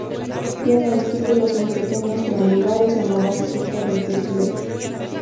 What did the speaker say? Tiene estípulas muy pequeñas, triangulares, en la base cerca de pecíolo.